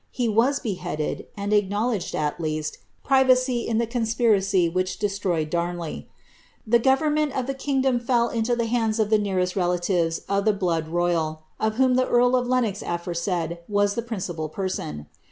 He was beheaded, and acknowledged, at least, privacy in the conspiracy which destroyed Dam Icy. The gownment of the kingdom fell into the hands of the nearest relatives of ^^Bblood ro3ral, of whom the earl of Lenox aforesai<] was the principal person.